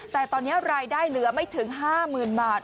แต่ตอนนี้รายได้เหลือไม่ถึง๕๐๐๐บาท